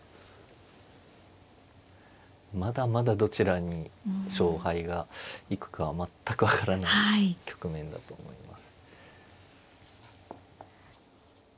まだまだどちらに勝敗が行くかは全く分からない局面だと思います。